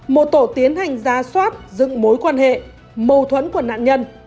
một tổ tiến hành ra soát dựng mối quan hệ mâu thuẫn của nạn nhân